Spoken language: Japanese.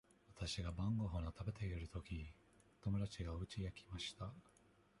わたしが晩ごはんを食べているとき、友だちがうちへ来ました。